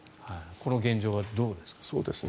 この現状はどうですか？